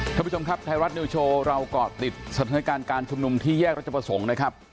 ท่านผู้ชมครับไทยรัฐนิวโชว์เราเกาะติดสถานการณ์การชุมนุมที่แยกรัชประสงค์นะครับ